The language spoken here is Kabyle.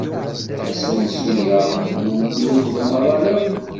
Asensu-a d ummil deg umaḍal akk.